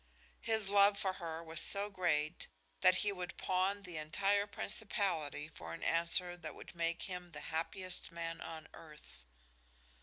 His love for her was so great that he would pawn the entire principality for an answer that would make him the happiest man on earth.